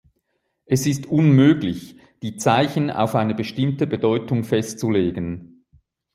Es ist unmöglich, die Zeichen auf eine bestimmte Bedeutung festzulegen.